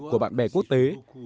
của bạn bè quốc tế